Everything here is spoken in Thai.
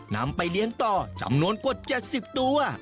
นำไปเลี้ยงต่อจำนวนกว่า๗๐ตัว